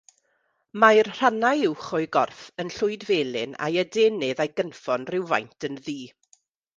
Mae'r rhannau uwch o'i gorff yn llwydfelyn a'i adenydd a'i gynffon rywfaint yn ddu.